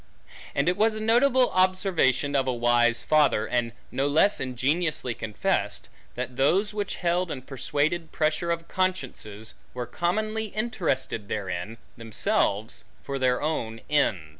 And it was a notable observation of a wise father, and no less ingenuously confessed; that those which held and persuaded pressure of consciences, were commonly interested therein, themselves, for their own e